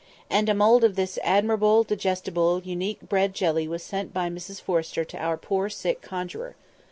And a mould of this admirable, digestible, unique bread jelly was sent by Mrs Forrester to our poor sick conjuror.